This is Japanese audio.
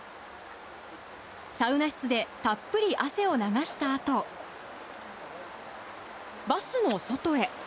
サウナ室でたっぷり汗を流したあと、バスの外へ。